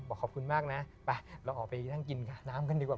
ขอบคุณมากนะไปเราออกไปนั่งกินน้ำกันดีกว่า